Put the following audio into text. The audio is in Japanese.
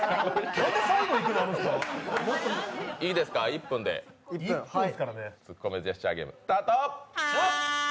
１分で「ツッコミジェスチャーゲーム」スタート。